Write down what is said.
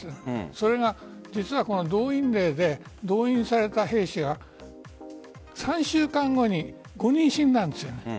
それが動員令で動員された兵士が３週間後に５人死んだんです。